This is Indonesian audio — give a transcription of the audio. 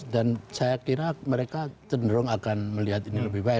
dan saya kira mereka cenderung akan melihat ini lebih baik